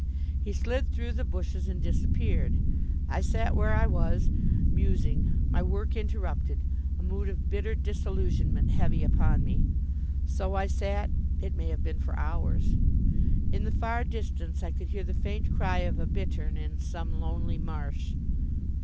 He slid through the bushes and disappeared. I sat where I was, musing, my work interrupted, a mood of bitter disillusionment heavy upon me. So I sat, it may have been for hours. In the far distance I could hear the faint cry of a bittern in some lonely marsh.